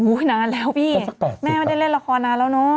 อุ้ยนานแล้วพี่แม่ไม่ได้เล่นละครนานาวน้อง